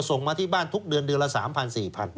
ส่งมาที่บ้านทุกเดือนเดือนละ๓๐๐๔๐๐บาท